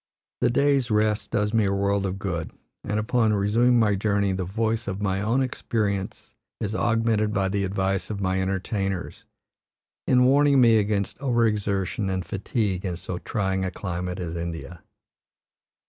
The day's rest does me a world of good, and upon resuming my journey the voice of my own experience is augmented by the advice of my entertainers, in warning me against overexertion and fatigue in so trying a climate as India.